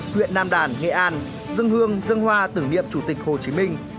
huyện nam đàn nghệ an dương hương dương hoa tử niệm chủ tịch hồ chí minh